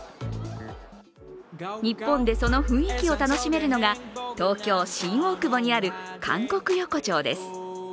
日本でその雰囲気を楽しめるのが東京・新大久保にある韓国横丁です